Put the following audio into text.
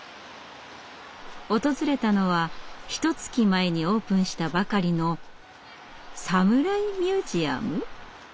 訪れたのはひとつき前にオープンしたばかりの「サムライミュージアム」！？